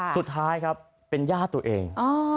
สุดท้ายครับเป็นญาติตัวเอง